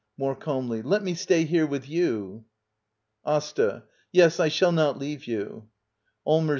[More calmly.] Let me stay here with you. "AsTxr Yes, I shall not leave you. Allmers.